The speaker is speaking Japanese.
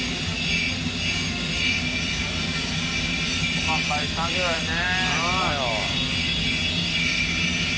細かい作業やね。